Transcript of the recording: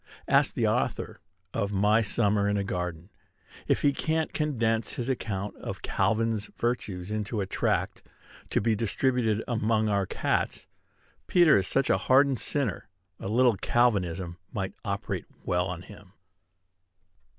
Ask the author of "My Summer in a Garden" if he can't condense his account of "Calvin's" virtues into a tract, to be distributed among our cats. Peter is such a hardened sinner, a little Calvinism might operate well on him.